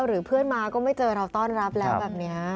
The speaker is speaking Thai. หรือเพื่อนมาก็ไม่เจอเราต้อนรับแล้วแบบนี้